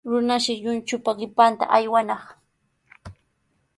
Runashi lluychupa qipanta aywanaq.